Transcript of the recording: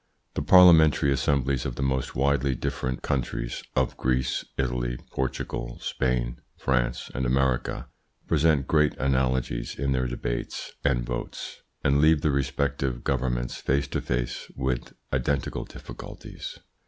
The parliamentary assemblies of the most widely different countries, of Greece, Italy, Portugal, Spain, France, and America present great analogies in their debates and votes, and leave the respective governments face to face with identical difficulties.